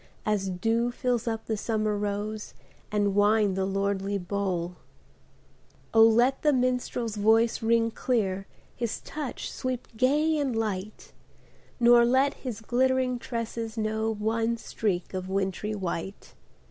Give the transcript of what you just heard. As dew fills up the summer rose And wine the lordly bowl ! let the minstrePs voice ring clear. His touch sweep gay and light; Nor let his glittering tresses know One streak of wintry white.